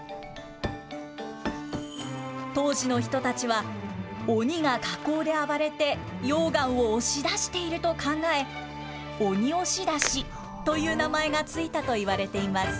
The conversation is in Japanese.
当時の人たちは、鬼が火口で暴れて溶岩を押し出していると考え、鬼押出しという名前が付いたといわれています。